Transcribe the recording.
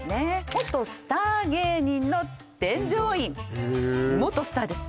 元スター芸人の添乗員へえ元スターです